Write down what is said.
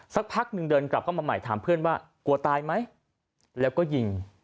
สักพักหนึ่งเดินกลับเข้ามาใหม่ถามเพื่อนว่ากลัวตายไหมแล้วก็ยิง